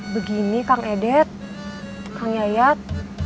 begini kang edet kang yayat